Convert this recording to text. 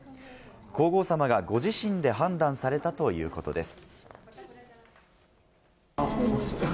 皇后さまがご自身で判断されたということです。